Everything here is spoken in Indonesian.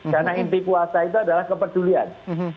karena inti puasa itu adalah kepedulian